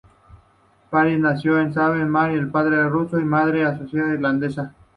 Phillips nació en Savage, Maryland, de padre ruso y madre escocesa-irlandesa.